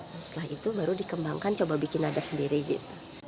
setelah itu baru dikembangkan coba bikin nada sendiri gitu